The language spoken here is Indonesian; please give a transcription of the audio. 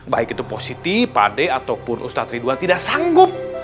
baik itu positi pade ataupun ustadz ridwan tidak sanggup